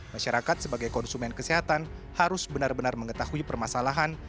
masyarakat sebagai konsumen kesehatan harus benar benar mengetahui permasalahan